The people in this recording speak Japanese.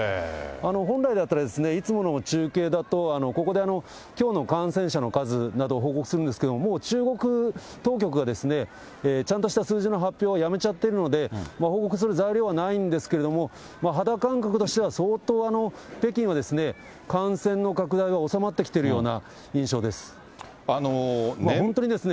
本来であったら、いつもの中継だと、ここできょうの感染者の数などを報告するんですけれども、もう中国当局が、ちゃんとした数字の発表はやめちゃってるので、報告する材料はないんですけれども、肌感覚としては、相当、北京は感染の拡大が収まってきているような印象です。